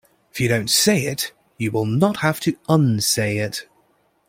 If you don't say it you will not have to unsay it.